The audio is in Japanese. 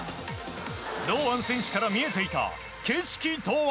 堂安選手から見えていた景色とは。